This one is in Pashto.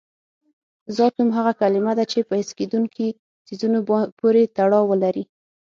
ذات نوم هغه کلمه ده چې په حس کېدونکي څیزونو پورې تړاو ولري.